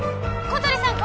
小鳥さん